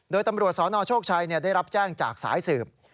โดยตำรวจสนโชคชัยได้รับแจ้งจากสายสืบ